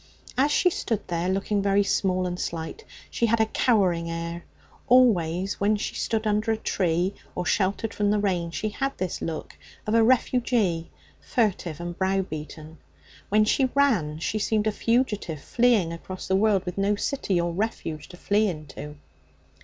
As she stood there, looking very small and slight, she had a cowering air. Always, when she stood under a tree or sheltered from the rain, she had this look of a refugee, furtive and brow beaten. When she ran she seemed a fugitive, fleeing across the world with no city or refuge to flee into.